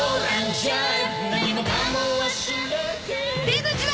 出口だ！